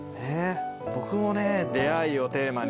僕もね「出逢い」をテーマに。